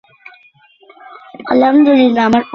ঘটক রাজাবাহাদুর মধুসূদন ঘোষালের নাম করলে।